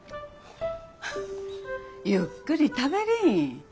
ゆっくり食べりん。